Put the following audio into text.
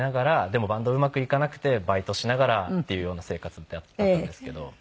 でもバンドがうまくいかなくてバイトをしながらっていうような生活だったんですけど。